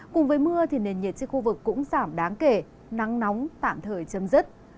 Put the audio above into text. cùng với mưa thì nền nhiệt trên khu vực cũng giảm đáng kể nắng nóng tạm thời chấm dứt